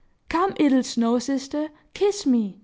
"Come, 'ittle snow sister, kiss me!"